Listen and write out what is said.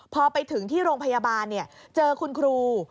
พอไปถึงที่โรงพยาบาลเจอคุณครู